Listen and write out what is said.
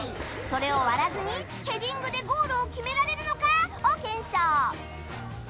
それを割らずにヘディングでゴールを決められるのかを検証。